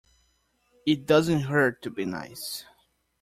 It doesn't hurt to be nice.